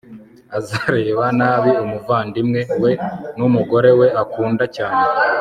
azareba+ nabi umuvandimwe we n'umugore we akunda cyane